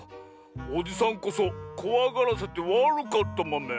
おじさんこそこわがらせてわるかったマメ。